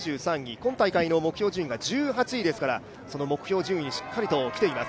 今大会の目標順位が１８位ですから目標順位にしっかりきています。